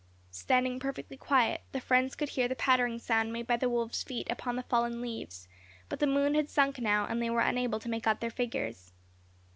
Standing perfectly quiet, the friends could hear the pattering sound made by the wolves' feet upon the fallen leaves; but the moon had sunk now, and they were unable to make out their figures.